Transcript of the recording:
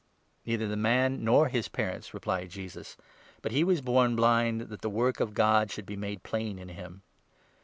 " Neither the man nor the parents," replied Jesus ;" but he 3 was born blind that the work of God should be made plain in him.